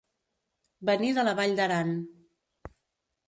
Venir de la Vall d'Aran.